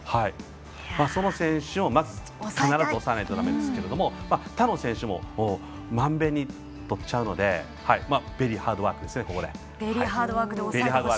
その選手を抑えないとだめですけれどもほかの選手も万遍にとっちゃうのでベリーハードワークですね